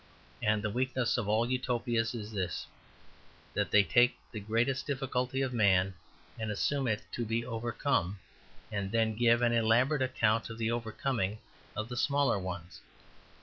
And the weakness of all Utopias is this, that they take the greatest difficulty of man and assume it to be overcome, and then give an elaborate account of the overcoming of the smaller ones.